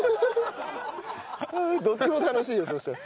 どっちも楽しいよそしたら。